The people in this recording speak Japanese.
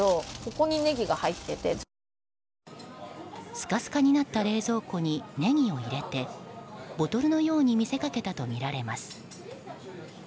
スカスカになった冷蔵庫にネギを入れてボトルのように見せかけたとみられます。